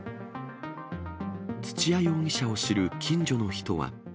土屋容疑者を知る近所の人は。